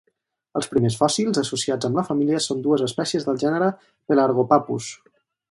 Els primers fòssils associats amb la família són dues espècies del gènere "Pelargopappus".